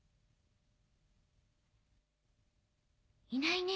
いないね。